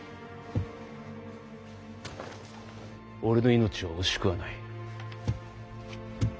俺の命は惜しくはない。